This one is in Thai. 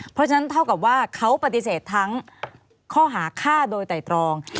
เพราะฉะนั้นเท่ากับว่าเขาปฏิเสธทั้งข้อหาฆ่าโดยไตรตรอง